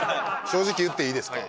正直言っていいですか？